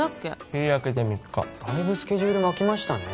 日明けて３日だいぶスケジュール巻きましたね